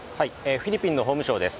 フィリピンの法務省です。